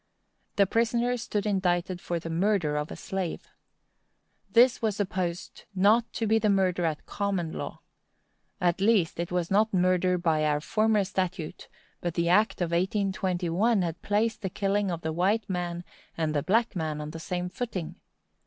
The prisoner stood indicted for the murder of a slave. This was supposed not to be murder at common law. At least, it was not murder by our former statute; but the act of 1821 had placed the killing of the white man and the black man on the same footing.